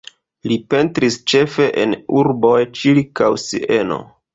Li pentris ĉefe en urboj ĉirkaŭ Sieno.